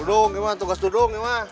dudung mah tugas dudung mah